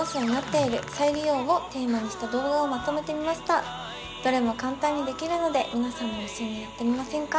今回はどれも簡単にできるので皆さんも一緒にやってみませんか？